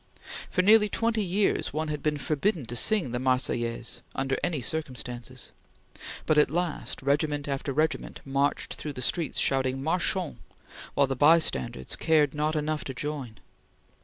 For nearly twenty years one had been forbidden to sing the Marseillaise under any circumstances, but at last regiment after regiment marched through the streets shouting "Marchons!" while the bystanders cared not enough to join.